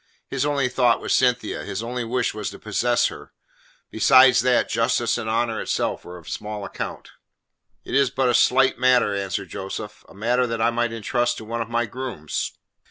His only thought was Cynthia; his only wish was to possess her. Besides that, justice and honour itself were of small account. "It is but a slight matter," answered Joseph. "A matter that I might entrust to one of my grooms."